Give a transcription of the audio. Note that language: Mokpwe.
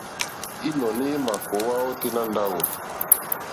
Ínɔ̀ní í mà kòòwá ôténá ndáwù.